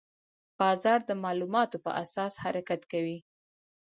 بازار د معلوماتو په اساس حرکت کوي.